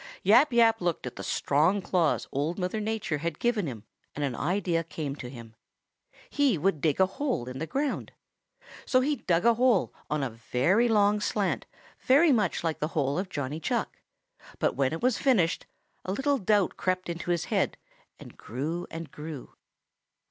"Yap Yap looked at the strong claws Old Mother Nature had given him and an idea came to him. He would dig a hole in the ground. So he dug a hole on a long slant very much like the hole of Johnny Chuck; but when it was finished a little doubt crept into his head and grew and grew.